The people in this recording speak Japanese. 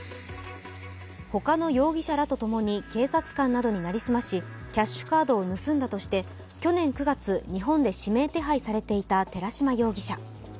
ほかの容疑者らとともに警察官などに成り済まし、キャッシュカードを盗んだとして、去年９月、日本で指名手配されていた寺島容疑者。